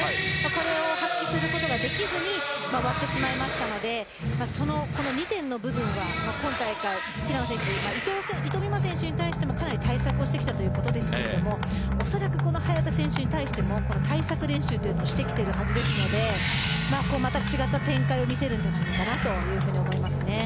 それを発揮することができずに終わってしまいますのでこの２点の部分が今大会平野選手、伊藤美誠選手に対してもかなり対策をしてきたということですけどおそらくこの早田選手に対してもこの対策練習をしてきているはずですのでまったく違った展開を見せるんじゃないかなと思います。